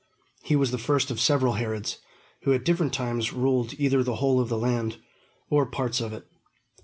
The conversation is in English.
He was the first of several Herods, who at different times ruled either the whole of the land, or parts of it.